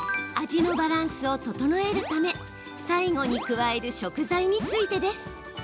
味のバランスを調えるため最後に加える食材についてです。